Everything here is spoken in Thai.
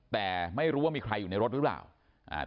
แต่ไม่รู้ว่ามีใครอยู่ในรถหรือเปล่าอ่า